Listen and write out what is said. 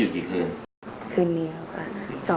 คืนเดียวกัน